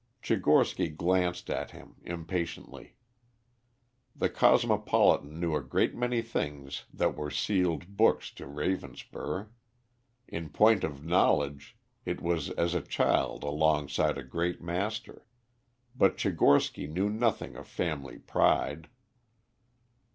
Tchigorsky glanced at him impatiently. The cosmopolitan knew a great many things that were sealed books to Ravenspur in point of knowledge it was as a child alongside a great master; but Tchigorsky knew nothing of family pride.